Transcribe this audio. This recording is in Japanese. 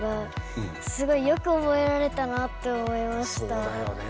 そうだよね。